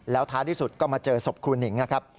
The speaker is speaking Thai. แล้วท้ายที่สุดก็มาเจอศพครูหนิงนะครับ